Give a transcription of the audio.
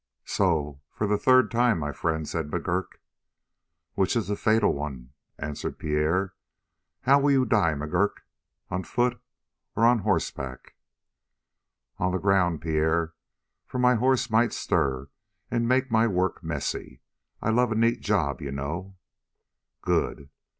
"So for the third time, my friend " said McGurk. "Which is the fatal one," answered Pierre. "How will you die, McGurk? On foot or on horseback?" "On the ground, Pierre, for my horse might stir and make my work messy. I love a neat job, you know." "Good."